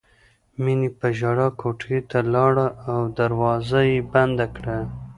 مینې په ژړا کوټې ته لاړه او دروازه یې بنده کړه